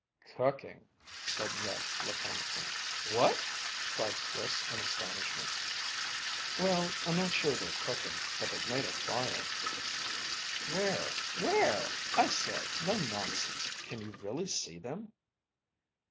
"Cooking," said Ned laconically. "What!" cried Chris in astonishment. "Well, I'm not sure they're cooking, but they've made a fire." "Where where? I say: no nonsense. Can you really see them?"